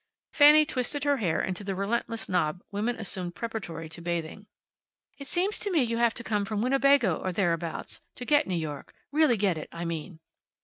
Fanny twisted her hair into the relentless knob women assume preparatory to bathing. "It seems to me you have to come from Winnebago, or thereabouts, to get New York really get it, I mean."